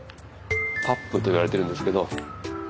パップといわれているんですけど。